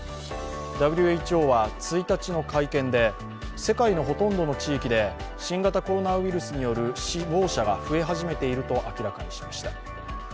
ＷＨＯは１日の会見で、世界のほとんどの地域で新型コロナによる死亡者が増え始めていると明らかにしました。